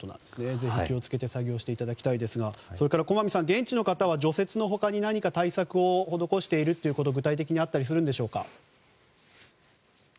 ぜひ気を付けて作業していただきたいですが駒見さん、現地の方は除雪の他に何か対策を施していることは具体的にあったりするんでしょうか。